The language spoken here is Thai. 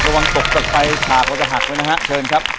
ระวังตกต่อไปฉากก็จะหักไว้นะฮะเชิญครับ